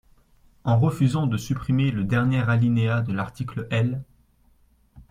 En refusant de supprimer le dernier alinéa de l’article L.